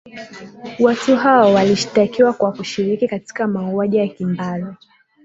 watu hao walishitakiwa kwa kushiriki katika mauaji ya kimbari